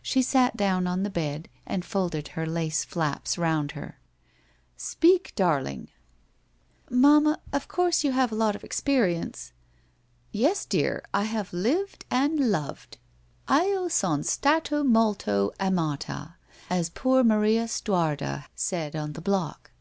She sat down on the bed and folded hei lace flaps round her. ' Speak, darling! ■ 177 lg 178 WHITE ROSE OF WEARY LEAF ' Mamma, of course you have a lot of experience '' Yes, dear, I have lived aud loved, Io son stato molto amaia, as poor Maria Stuarda said on the block.